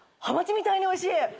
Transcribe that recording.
ハマチみたいにおいしい。